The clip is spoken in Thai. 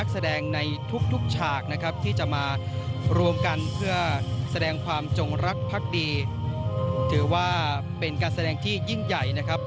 แสดงความจงรักพักดีถือว่าเป็นการแสดงที่ยิ่งใหญ่